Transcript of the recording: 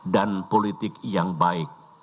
dan politik yang baik